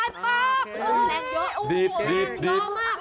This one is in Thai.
แรงเยอะแรงเยอะมาก